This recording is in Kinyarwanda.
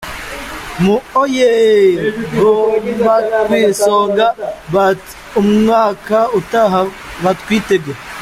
Mu oyeeeeee gumakwisonga but umwaka utaha Batwitege.